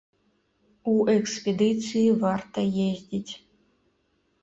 У экспедыцыі варта ездзіць!